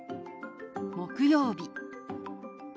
「木曜日」。